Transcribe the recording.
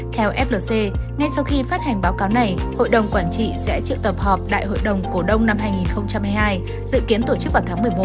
theo flc ngay sau khi phát hành báo cáo này hội đồng quản trị sẽ triệu tập họp đại hội đồng cổ đông năm hai nghìn hai mươi hai dự kiến tổ chức vào tháng một mươi một